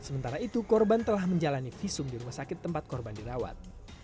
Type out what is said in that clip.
sementara itu korban telah menjalani visum di rumah sakit tempat korban dirawat